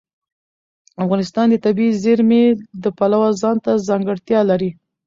افغانستان د طبیعي زیرمې د پلوه ځانته ځانګړتیا لري.